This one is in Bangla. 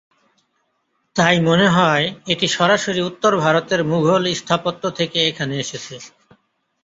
তাই মনে হয়, এটি সরাসরি উত্তর-ভারতের মুগল স্থাপত্য থেকে এখানে এসেছে।